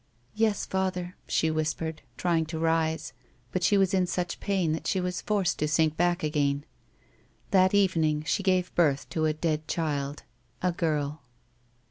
" Yes, father," she whispered, trying to rise ; but she was in such pain that she was forced to sink back again. That evening she gave birth to a dead child — a girl.